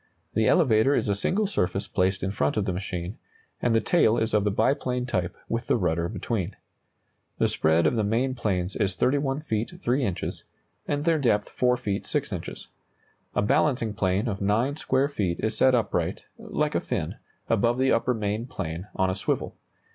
The elevator is a single surface placed in front of the machine, and the tail is of the biplane type with the rudder between. The spread of the main planes is 31 feet 3 inches, and their depth 4 feet 6 inches. A balancing plane of 9 square feet is set upright (like a fin) above the upper main plane, on a swivel.